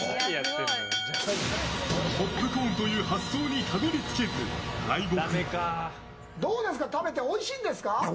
ポップコーンという発想にたどり着けず、敗北。